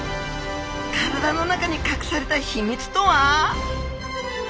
体の中にかくされた秘密とは！？